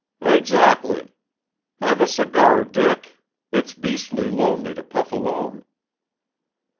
"Exactly. Have a cigar, Dick; it's beastly lonely to puff alone."